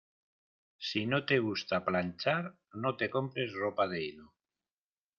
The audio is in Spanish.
Si no te gusta planchar, no te compres ropa de hilo.